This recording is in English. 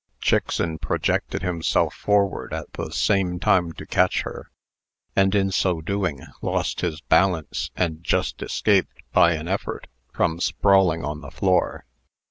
Chickson projected himself forward at the same time to catch her, and, in so doing, lost his balance, and just escaped, by an effort, from sprawling on the floor.